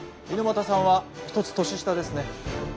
猪俣さんは１つ年下ですね。